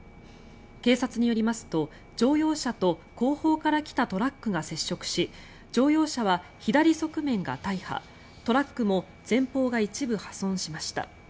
警察によりますと、乗用車と後方から来たトラックが接触し乗用車は左側面が大破トラックも前方が一部破損しました。